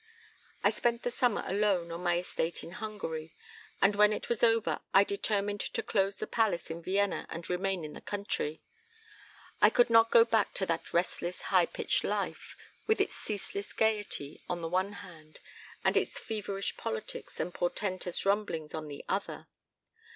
"I spent the summer alone on my estate in Hungary, and when it was over I determined to close the palace in Vienna and remain in the country. I could not go back to that restless high pitched life, with its ceaseless gaiety on the one hand and its feverish politics and portentous rumblings on the other.